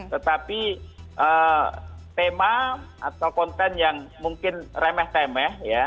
tetapi tema atau konten yang mungkin remeh temeh ya